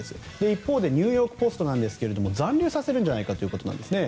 一方でニューヨーク・ポストなんですが残留させるんじゃないかということですね。